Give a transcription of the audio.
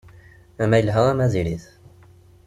Ama yelha ama diri-t.